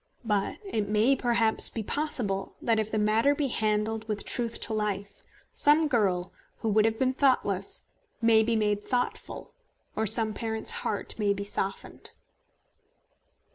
But it may perhaps be possible that if the matter be handled with truth to life, some girl, who would have been thoughtless, may be made thoughtful, or some parent's heart may be softened.